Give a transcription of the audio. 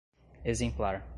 exemplar